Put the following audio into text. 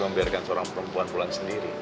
membiarkan seorang perempuan pulang sendiri